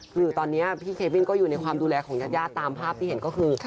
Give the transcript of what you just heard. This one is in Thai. คือตอนนี้พี่เควินก็อยู่ในความดูแลของญาติญาติตามภาพที่เห็นก็คือ